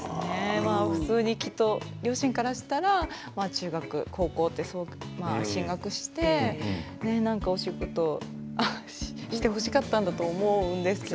普通に両親からしたら中学、高校と進学して何かお仕事をしてほしかったんだと思うんですけど。